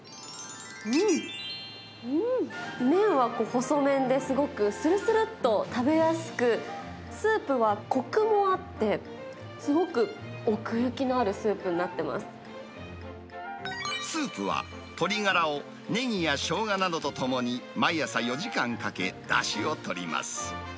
うん、麺は細麺で、すごくするするっと食べやすく、スープはこくもあって、すごく奥スープは、鶏ガラをネギやショウガなどとともに、毎朝４時間かけ、だしをとります。